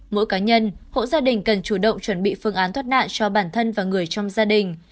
mỗi cá nhân hộ gia đình cần chủ động chuẩn bị phương án thoát nạn cho bản thân và người trong gia đình